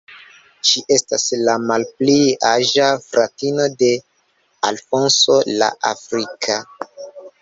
Ŝi estas la malpli aĝa fratino de Alfonso la Afrika.